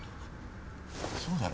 そうだろ？